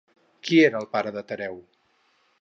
Qui era el pare de Tereu?